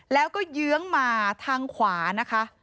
แล้วก็เยื้องมาทางขวานะคะ